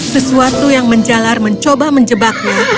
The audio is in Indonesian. sesuatu yang menjalar mencoba menjebaknya